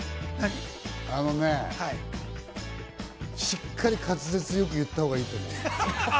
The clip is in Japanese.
あのねぇ、しっかり滑舌よく言ったほうがいいと思う。